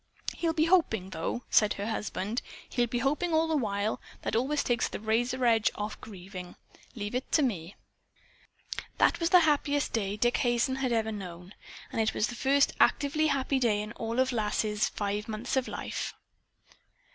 "He'll be hoping, though," said her husband. "He'll be hoping all the while. That always takes the razor edge off of grieving. Leave it to me." That was the happiest day Dick Hazen had ever known. And it was the first actively happy day in all Lass's five months of life.